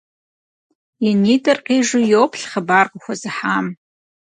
И нитӏыр къижу йоплъ хъыбар къыхуэзыхьам.